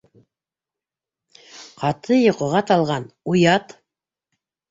Ҡаты йоҡоға талған, уят!